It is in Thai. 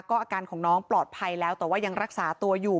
อาการของน้องปลอดภัยแล้วแต่ว่ายังรักษาตัวอยู่